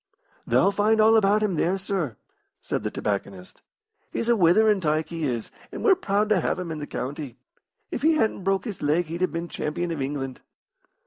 "Thou'll find all about him there, sir," said the tobacconist. "He's a witherin' tyke, he is, and we're proud to have him in the county. If he hadn't broke his leg he'd have been champion of England."